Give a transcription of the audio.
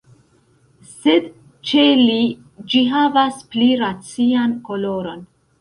Sed ĉe li ĝi havas pli racian koloron.